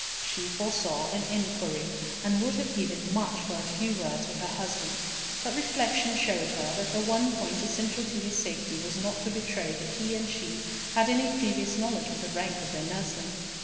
She foresaw an inquiry, and would have given much for a few words with her husband; but reflection showed her that the one point essential to his safety was not to betray that he and she had any previous knowledge of the rank of their nursling.